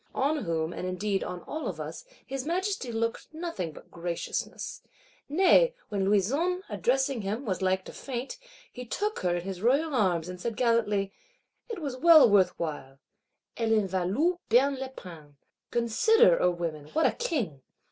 On whom, and indeed on all of us, his Majesty looked nothing but graciousness. Nay, when Louison, addressing him, was like to faint, he took her in his royal arms; and said gallantly, 'It was well worth while (Elle en valût bien la peine).' Consider, O women, what a King!